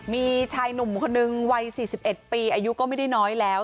มีชายหนุ่มคนนึงวัย๔๑ปีอายุก็ไม่ได้น้อยแล้ว